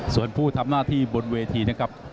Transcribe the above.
ส่วนผู้ทำหน้าที่บนเวทีนะครับ